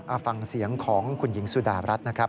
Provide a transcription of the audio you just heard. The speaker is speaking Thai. บางเรื่องอฟังเสียงของคุณหญิงสุดาบรัฐนะครับ